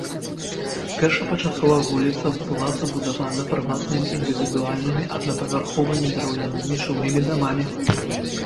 Першапачаткова вуліца была забудавана прыватнымі індывідуальнымі аднапавярховымі драўлянымі жылымі дамамі.